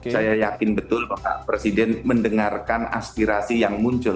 saya yakin betul bapak presiden mendengarkan aspirasi yang muncul